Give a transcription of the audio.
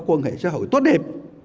quan hệ xã hội tốt đẹp